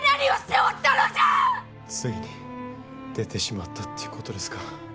ついに出てしまったということですか。